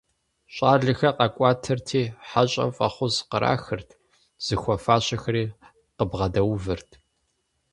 ЩӀалэхэр къэкӀуатэрти, хьэщӀэм фӀэхъус кърахырт, зыхуэфащэхэри къыбгъэдэувэрт.